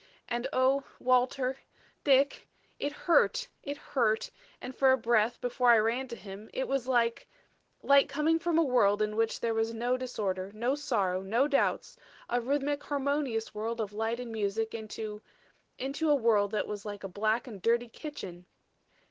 "And, O Walter Dick it hurt it hurt and for a breath before I ran to him it was like like coming from a world in which there was no disorder, no sorrow, no doubts, a rhythmic, harmonious world of light and music, into into a world that was like a black and dirty kitchen.